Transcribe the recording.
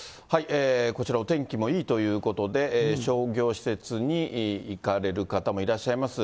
こちら、お天気もいいということで、商業施設に行かれる方もいらっしゃいます。